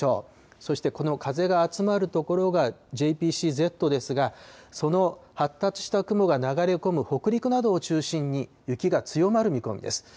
そして、この風が集まる所がＪＰＣＺですが、その発達した雲が流れ込む北陸などを中心に、雪が強まる見込みです。